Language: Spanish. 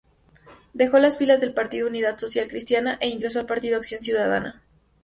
Dejó las filas del Partido Unidad Social Cristiana e ingresó al Partido Acción Ciudadana.